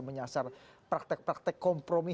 menyasar praktek praktek kompromi